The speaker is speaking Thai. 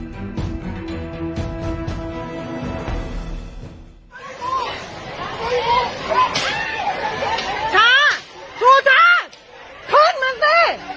สุดท้ายสุดท้ายพื้นมันสิ